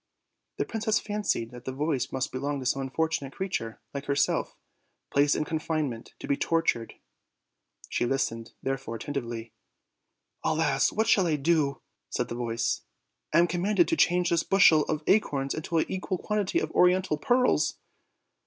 The princess fancied that the voice must belong to some unfortunate creature, like herself, placed in confinement, to be tormented; she listened, therefore, attentively. "Alas! what shall I do?" said the voice; "I am commanded to change this bushel of acorns into an equal quantity of oriental pearls."